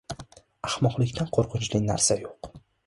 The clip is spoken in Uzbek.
• Ahmoqlikdan qo‘rqinchli narsa yo‘q.